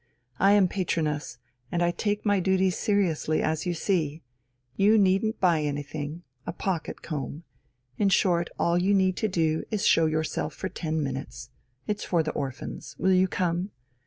I am patroness, and I take my duties seriously, as you see. You needn't buy anything a pocket comb.... In short, all you need do is to show yourself for ten minutes. It's for the orphans.... Will you come?